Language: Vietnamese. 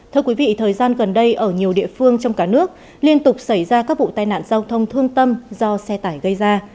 thưa quý vị thời gian gần đây ở nhiều địa phương trong cả nước liên tục xảy ra các vụ tai nạn giao thông thương tâm do xe tải gây ra